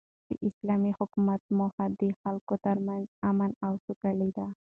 د اسلامي حکومت موخه د خلکو تر منځ امن او سوکالي ده.